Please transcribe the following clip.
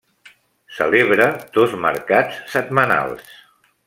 Celebra dos mercats setmanals.